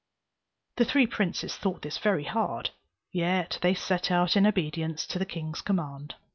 The three princes thought this very hard; yet they set out in obedience to the king's command.